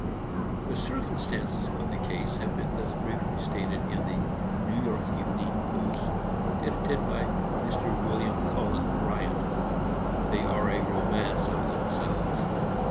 The circumstances of the case have been thus briefly stated in the New York Evening Post, edited by Mr. William Cullen Bryant. They are a romance of themselves.